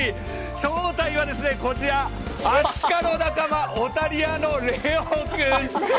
正体はこちら、アシカの仲間オタリアのレオ君。